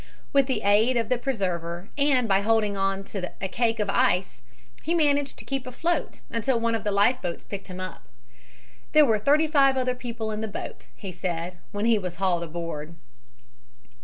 With the aid of the preserver and by holding to a cake of ice he managed to keep afloat until one of the life boats picked him up. There were thirty five other people in the boat, he said, when he was hauled aboard.